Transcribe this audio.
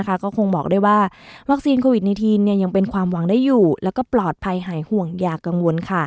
ก็คงบอกได้ว่าวัคซีนโควิด๑๙ยังเป็นความหวังได้อยู่แล้วก็ปลอดภัยหายห่วงอย่ากังวล